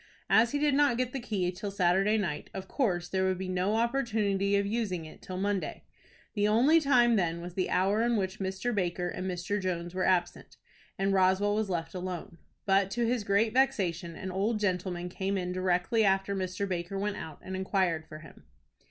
As he did not get the key till Saturday night, of course there would be no opportunity of using it till Monday. The only time then was the hour in which Mr. Baker and Mr. Jones were absent, and Roswell was left alone. But to his great vexation, an old gentleman came in directly after Mr. Baker went out, and inquired for him.